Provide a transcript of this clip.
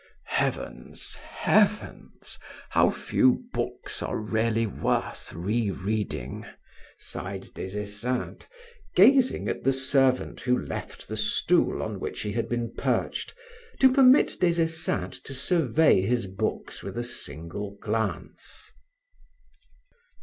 "Heavens! heavens! how few books are really worth re reading," sighed Des Esseintes, gazing at the servant who left the stool on which he had been perched, to permit Des Esseintes to survey his books with a single glance.